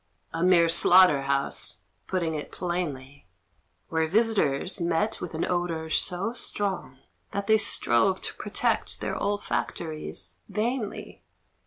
a mere slaughter house, putting it plainly, Where visitors met with an odour so strong, That they strove to protect their olfactories vainly.